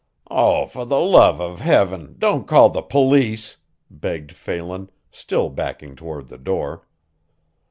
"Oh, for the love of hiven, don't call the police!" begged Phelan, still backing toward the door.